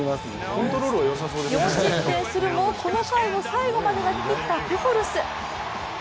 ４失点するもこの回を最後まで投げきったプホルス。